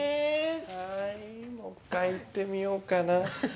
もう１回いってみようかな。